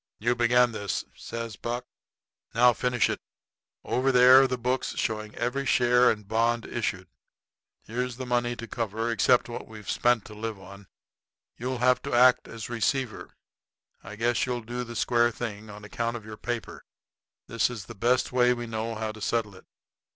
"You begun this," says Buck; "now finish it. Over there are the books, showing every share and bond issued. Here's the money to cover, except what we've spent to live on. You'll have to act as receiver. I guess you'll do the square thing on account of your paper. This is the best way we know how to settle it.